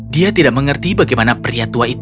dia tidak mengerti bagaimana pria tua itu berada di sana